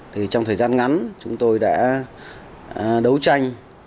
thì trong thời gian ngắn chúng tôi đã đấu tranh